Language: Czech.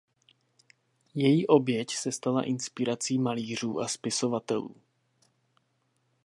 Její oběť se stala inspirací malířů a spisovatelů.